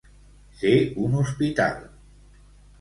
Ser un hospital.